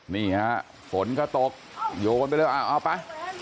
นี่ฮะฝนก็ตกโยนไปเลยเอาไป